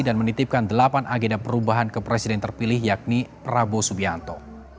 menitipkan delapan agenda perubahan ke presiden terpilih yakni prabowo subianto